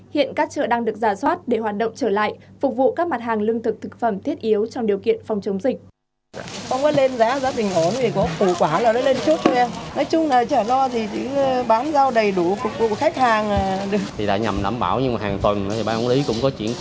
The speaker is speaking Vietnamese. hiện các chợ đang được giả soát để hoạt động trở lại phục vụ các mặt hàng lương thực thực phẩm thiết yếu trong điều kiện phòng chống dịch